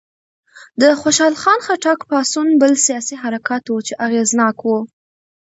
د خوشحال خان خټک پاڅون بل سیاسي حرکت و چې اغېزناک و.